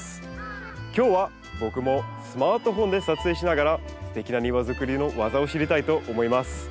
今日は僕もスマートフォンで撮影しながらすてきな庭づくりの技を知りたいと思います。